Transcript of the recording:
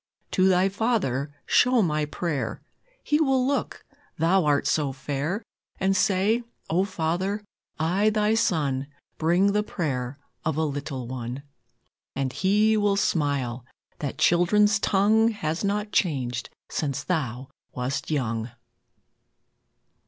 To Thy Father show my prayer (He will look, Thou art so fair), And say: "O Father, I, Thy Son, Bring the prayer of a little one." And He will smile, that children's tongue Has not changed since Thou wast young!